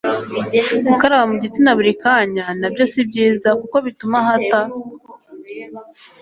gukaraba mu gitsina buri kanya na byo si byiza, kuko bituma hata